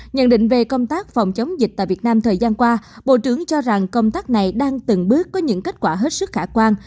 nhận định về công tác phòng chống dịch tại việt nam thời gian qua bộ trưởng cho rằng công tác này đang từng bước có những kết quả hết sức khả quan